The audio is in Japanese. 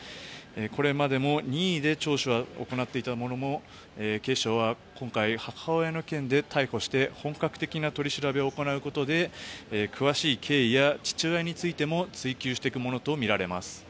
これまでも任意で聴取を行っていたものの警視庁は今回母親の件で逮捕して本格的な取り調べを行うことで詳しい経緯や父親についても追及していくものと思われます。